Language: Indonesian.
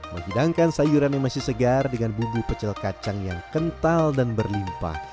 menghidangkan sayuran yang masih segar dengan bumbu pecel kacang yang kental dan berlimpah